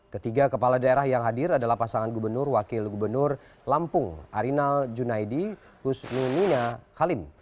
ketiga kepala daerah yang hadir adalah pasangan gubernur wakil gubernur lampung arinal junaidi husnu nina khalim